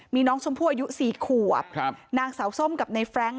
มีน้องสมผู้อายุสี่ขวบครับนางสาวส้มกับในแฟรงค์